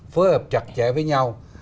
phối hợp chặt chẽ với nhau